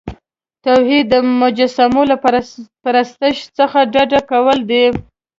توحید د مجسمو له پرستش څخه ډډه کول دي.